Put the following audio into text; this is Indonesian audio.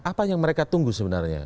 apa yang mereka tunggu sebenarnya